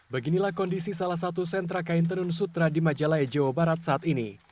beginilah kondisi salah satu sentra kain tenun sutra di majalah e jawa barat saat ini